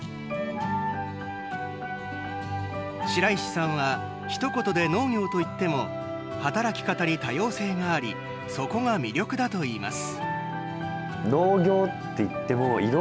白石さんはひと言で農業といっても働き方に多様性がありそこが魅力だといいます。